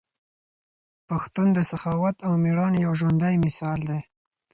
پښتون د سخاوت او ميړانې یو ژوندی مثال دی.